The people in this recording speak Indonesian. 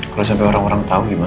kalau sampai orang orang tahu gimana